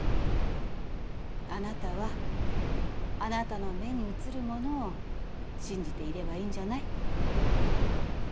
あなたはあなたの目に映るものを信じていればいいんじゃない？